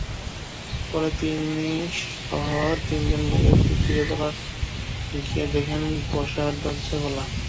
পরে তিনিসহ তিনজন মিলে দ্বিতীয় তলায় গিয়ে দেখেন বাসার দরজা খোলা।